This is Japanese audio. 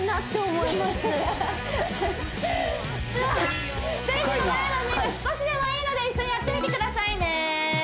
深いなテレビの前のみんな少しでもいいので一緒にやってみてくださいね